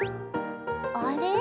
あれ？